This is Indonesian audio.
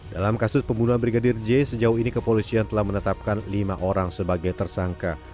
dalam kasus pembunuhan brigadir j sejauh ini kepolisian telah menetapkan lima orang sebagai tersangka